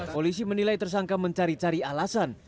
polisi menilai tersangka mencari cari alasan